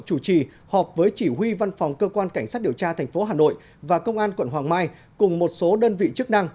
chủ trì họp với chỉ huy văn phòng cơ quan cảnh sát điều tra thành phố hà nội và công an quận hoàng mai cùng một số đơn vị chức năng